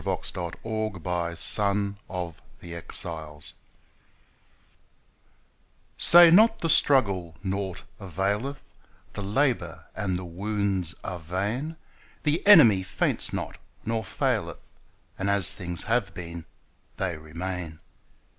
Say not the Struggle Naught availeth SAY not the struggle naught availeth, The labour and the wounds are vain, The enemy faints not, nor faileth, And as things have been they remain.